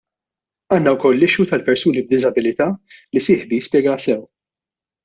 Għandna wkoll l-issue tal-persuni b'diżabilità li sieħbi spjegaha sew.